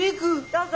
どうぞ。